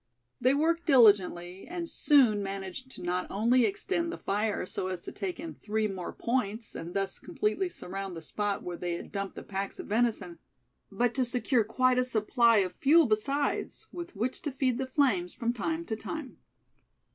They worked diligently, and soon managed to not only extend the fire so as to take in three more points, and thus completely surround the spot where they had dumped the packs of venison; but to secure quite a supply of fuel besides, with which to feed the flames from time to time.